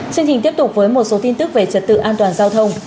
chương trình tiếp tục với một số tin tức về trật tự an toàn giao thông